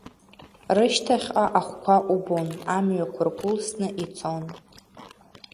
Рышьҭахьҟа ахәқәа убон, амҩақәа ргәылсны ицон…